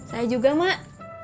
saya juga mak